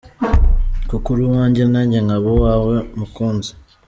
kuko uri uwanjye nanjye nkaba uwawe mukunzi.